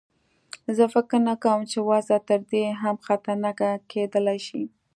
زه فکر نه کوم چې وضع تر دې هم خطرناکه کېدلای شي.